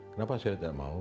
kenapa saya tidak mau